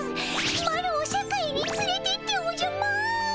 マロを世界につれていっておじゃマーン。